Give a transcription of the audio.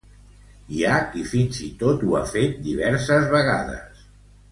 Hi ha qui fins i tot ho ha fet diverses vegades.